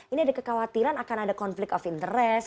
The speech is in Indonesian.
ini ada kekhawatiran akan ada konflik of interest